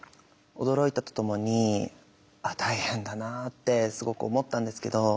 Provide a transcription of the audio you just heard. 驚いたとともに大変だなってすごく思ったんですけど。